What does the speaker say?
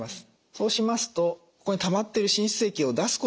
そうしますとここにたまってる滲出液を出すことができなくなります。